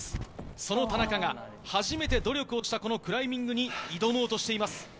その田中が初めて努力をしたこのクライミングに挑もうとしています。